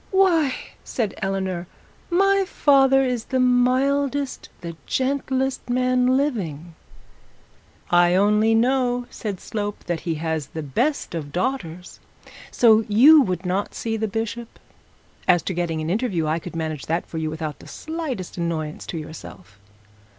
'Why,' said Eleanor, 'my father is the mildest, the gentlest man living.' 'I only know,' said Slope, 'that he has the best of daughters. So you would not see the bishop? As to getting an interview, I could manage that for you without the slightest annoyance to yourself.'